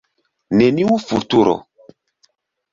Neniu futuro.